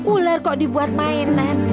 ular kok dibuat mainan